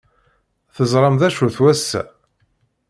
Teẓram d acu-t wass-a?